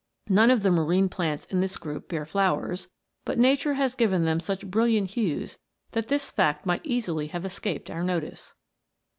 None of the marine plants in this group bear flowers, but nature has given them such bril liant hues that this fact might easily have escaped our notice.